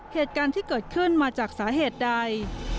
เหตุการณ์ที่เกิดขึ้นมาจากสาเหตุใด